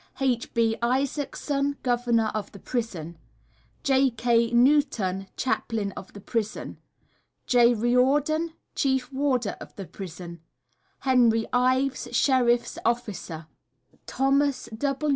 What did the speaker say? H. B. ISAACSON, Governor of the Prison. J. K. NEWTON, Chaplain of the Prison. J. RIORDON, Chief Warder of the Prison. HENRY IVES, Sheriff's Officer. THOS.